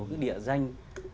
cái địa danh